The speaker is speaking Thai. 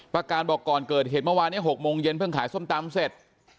ประการบอกก่อนเกิดเหตุเมื่อวานนี้๖โมงเย็นเพิ่งขายส้มตำเสร็จ